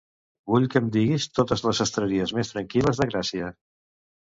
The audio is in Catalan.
Vull que em diguis totes les sastreries més tranquil·les de Gràcia.